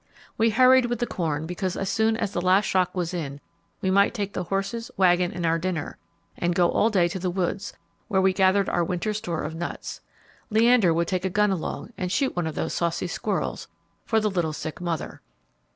We hurried with the corn; because as soon as the last shock was in, we might take the horses, wagon, and our dinner, and go all day to the woods, where we gathered our winter store of nuts. Leander would take a gun along, and shoot one of those saucy squirrels for the little sick mother.